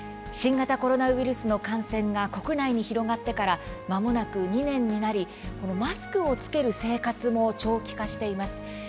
新型コロナウイルスの感染が国内に広がってからまもなく２年になりマスクを着ける生活も長期化しています。